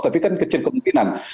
tapi kan kecil kemungkinan